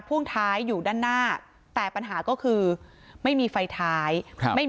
พ่วงท้ายอยู่ด้านหน้าแต่ปัญหาก็คือไม่มีไฟท้ายครับไม่มี